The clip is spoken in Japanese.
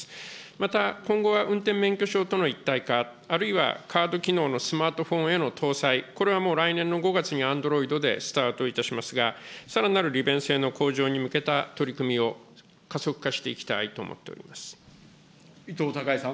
また、今後は運転免許証との一体化、あるいはカード機能のスマートフォンへの搭載、これはもう、来年の５月にアンドロイドでスタートいたしますが、さらなる利便性の向上に向けた取り組みを加速化していきたいと思伊藤孝恵さん。